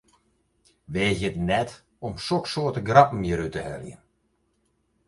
Weagje it net om soksoarte grappen hjir út te heljen!